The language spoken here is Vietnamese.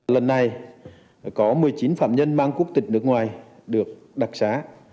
lần này có một mươi chín phạm nhân mang quốc tịch nước ngoài được đặc xá